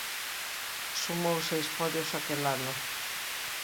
Sumou seis podios aquel ano.